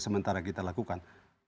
sementara kita lakukan